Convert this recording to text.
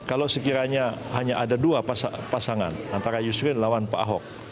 kalau sekiranya hanya ada dua pasangan antara yusril lawan pak ahok